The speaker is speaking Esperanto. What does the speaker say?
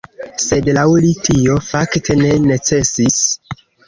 Sed laŭ li tio fakte ne necesis.